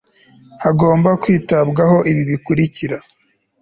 hagomba kwitabwaho ibi bikurikira